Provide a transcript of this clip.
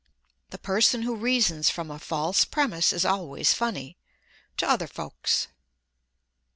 The person who reasons from a false premise is always funny—to other folks.